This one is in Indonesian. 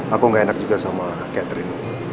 aku gak enak juga sama catherine